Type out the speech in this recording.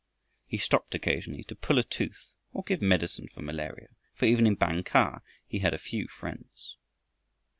He stopped occasionally to pull a tooth or give medicine for malaria, for even in Bang kah he had a few friends.